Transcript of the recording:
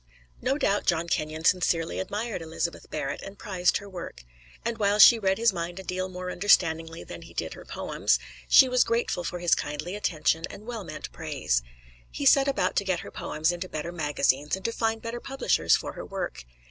No doubt John Kenyon sincerely admired Elizabeth Barrett, and prized her work. And while she read his mind a deal more understandingly than he did her poems, she was grateful for his kindly attention and well meant praise. He set about to get her poems into better magazines and to find better publishers for her work.